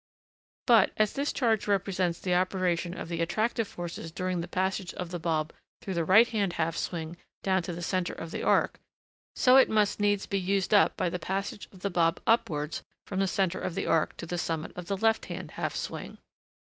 But, as this charge represents the operation of the attractive forces during the passage of the bob through the right hand half swing down to the centre of the arc, so it must needs be used up by the passage of the bob upwards from the centre of the arc to the summit of the left hand half swing.